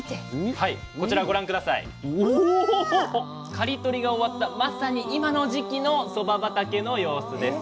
刈り取りが終わったまさに今の時期のそば畑の様子です。